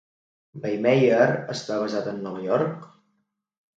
Veihmeyer està basat en Nova York.